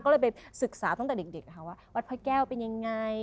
ก็เลยไปศึกษาตั้งแต่เด็กว่าวัดพระแก้วเป็นยังไง